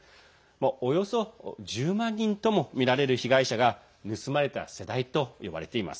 およそ１０万人ともみられる被害者が「盗まれた世代」と呼ばれています。